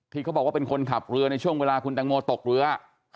เขาบอกว่าเป็นคนขับเรือในช่วงเวลาคุณแตงโมตกเรือ